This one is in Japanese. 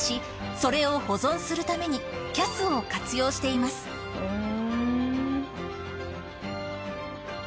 それを保存するためにＣＡＳを活用していますふん。